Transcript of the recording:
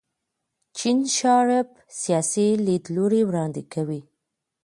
جین شارپ سیاسي لیدلوری وړاندې کوي.